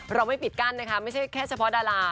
เราไม่ปิดกั้นนะคะไม่ใช่แค่เฉพาะดารา